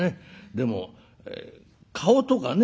でも顔とかね